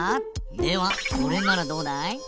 ではこれならどうだい？